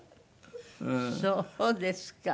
そうですか。